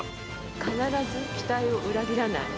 必ず期待を裏切らない。